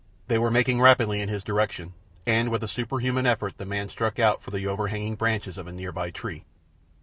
They were making rapidly in his direction, and with a superhuman effort the man struck out for the overhanging branches of a near by tree.